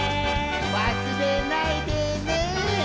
わすれないでね。